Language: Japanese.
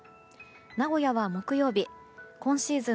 名古屋は木曜日今シーズン